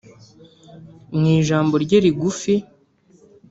Mu ijambo rye rigufi